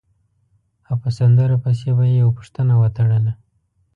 او په سندره پسې به یې یوه پوښتنه وتړله.